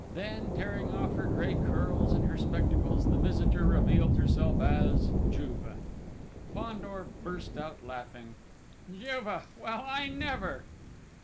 Then, tearing off her grey curls and her spectacles, the visitor revealed herself as Juve! Fandor burst out laughing. "Juve! Well, I never!"